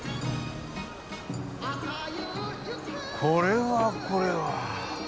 これはこれは。